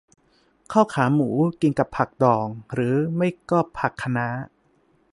ข้าวขาหมูกินกับผักดองหรือไม่ก็ผักคะน้า